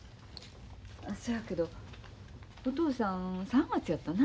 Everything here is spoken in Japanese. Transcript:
そやけどお父さん３月やったな。